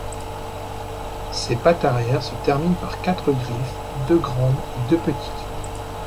Ses pattes arrières se terminent par quatre griffes, deux grandes et deux petites.